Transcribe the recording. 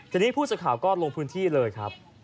ทีนี้ผู้สื่อข่าวก็ลงพื้นที่เลยครับ